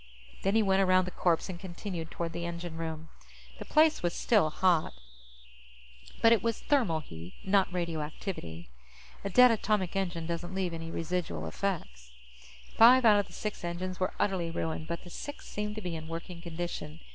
_ Then he went around the corpse and continued toward the engine room. The place was still hot, but it was thermal heat, not radioactivity. A dead atomic engine doesn't leave any residual effects. Five out of the six engines were utterly ruined, but the sixth seemed to be in working condition.